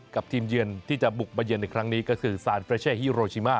กับทีมเยี่ยนที่จะบุกใบเยี่ยนอีกครั้งนี้ก็คือสารเฟรเช่ฮิโรชิม่า